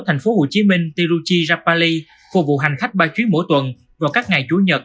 thành phố hồ chí minh tiruchirapalli phục vụ hành khách bay chuyến mỗi tuần vào các ngày chủ nhật